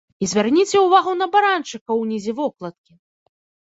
І звярніце ўвагу на баранчыка ўнізе вокладкі!